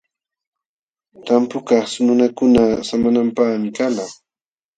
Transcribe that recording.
Tampukaq nunakuna samanapaqmi kalqa.